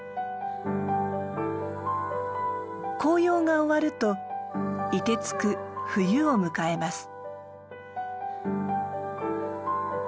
紅葉が終わると凍てつく冬を迎えます。